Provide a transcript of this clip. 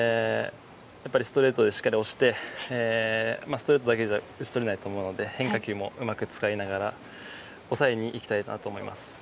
やっぱりストレートでしっかり押してストレートだけじゃ打ち取れないと思うので変化球もうまく使いながら抑えにいきたいなと思います。